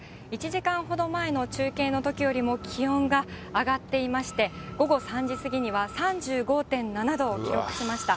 １時間ほど前の中継のときよりも気温が上がっていまして、午後３時過ぎには３５．７度を記録しました。